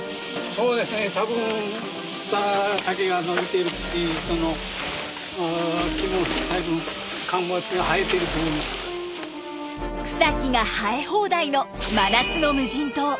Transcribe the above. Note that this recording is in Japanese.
そうですね多分草木が生え放題の真夏の無人島。